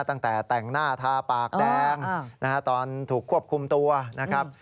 ตั้งแต่แต่งหน้าทาปากแดงนะฮะตอนถูกควบคุมตัวนะครับ